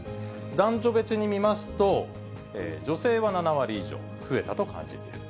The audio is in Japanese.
男女別に見ますと、女性は７割以上増えたと感じている。